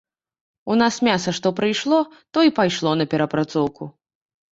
У нас мяса што прыйшло, то і пайшло на перапрацоўку.